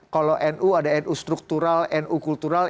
kalau nu ada nu struktural nu kultural